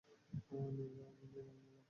লিনা নিলাম ঘর।